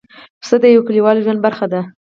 پسه د یوه کلیوالي ژوند برخه ده.